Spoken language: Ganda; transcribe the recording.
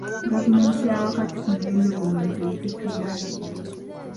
Gavumenti yawakati ku mulembe guno Omutebi tetuyambye.